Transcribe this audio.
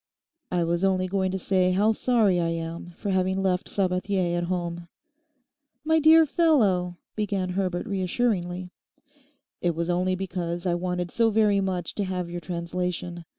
'I was only going to say how sorry I am for having left Sabathier at home.' 'My dear fellow—' began Herbert reassuringly. 'It was only because I wanted so very much to have your translation.